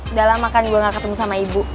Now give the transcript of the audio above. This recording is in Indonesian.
udah lama kan gue gak ketemu sama ibu